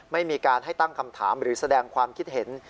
ไม่มีการให้ตั้งคำถามหรือแสดงความคิดเห็น